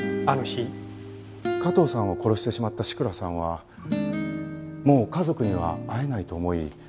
加藤さんを殺してしまった志倉さんはもう家族には会えないと思い